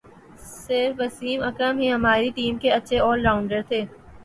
صرف وسیم اکرم ہی ہماری ٹیم کے اچھے آل راؤنڈر تھے